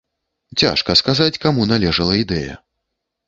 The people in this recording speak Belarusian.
Цяжка сказаць, каму належала ідэя.